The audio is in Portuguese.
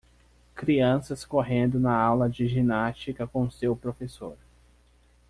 Crianças correndo na aula de ginástica com seu professor.